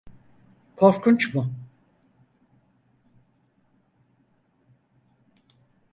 Korkunç mu?